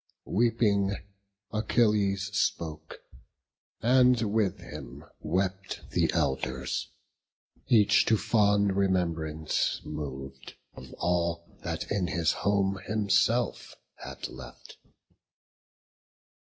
Weeping, Achilles spoke; and with him wept The Elders; each to fond remembrance mov'd Of all that in his home himself had left.